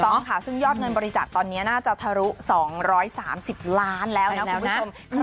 ต้องค่ะซึ่งยอดเงินบริจาคตอนนี้น่าจะทะลุ๒๓๐ล้านแล้วนะคุณผู้ชม